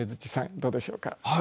どうでしょうか？